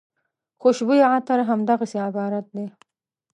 خوشبویه عطر همدغسې عبارت دی.